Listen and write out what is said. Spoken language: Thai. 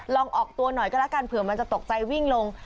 ออกตัวหน่อยก็แล้วกันเผื่อมันจะตกใจวิ่งลง